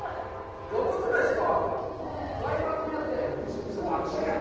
ヤバくないですか？